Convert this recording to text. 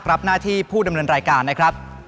รับหน้าที่ผู้ดำเนินรายการนะครับ